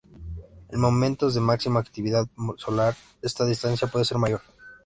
En momentos de máxima actividad solar esta distancia puede ser mayor.